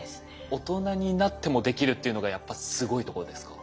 大人になってもできるっていうのがやっぱすごいとこですか？